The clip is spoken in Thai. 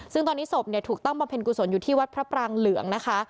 ซึ่งตอนนี้ศพเนี่ยถูกตั้งบำเพ็ญกุศลอยู่ที่วัดพระปรางเหลืองนะคะ